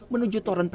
menuju toren penjajah